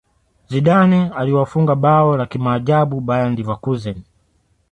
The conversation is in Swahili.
zidane aliwafunga bao la kimaajabu bayern leverkusen